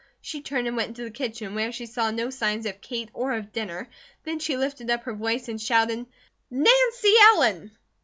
She turned and went into the kitchen, where she saw no signs of Kate or of dinner, then she lifted up her voice and shouted: "Nancy Ellen!"